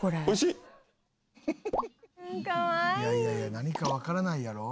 「いやいやいや何かわからないやろ。